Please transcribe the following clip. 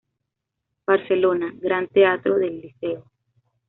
Barcelona: Gran Teatro del Liceo;